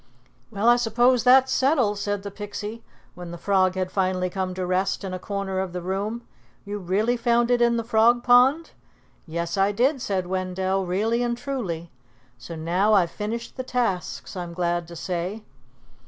"Well, I suppose that's settled," said the Pixie, when the frog had finally come to rest in a corner of the room. "You really found it in the Frog Pond?" "Yes, I did," said Wendell, "really and truly. So now I've finished the tasks, I'm glad to say."